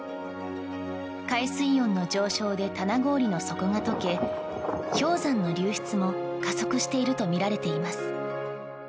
海水温の上昇で棚氷の底が解け氷山の流出も加速しているとみられています。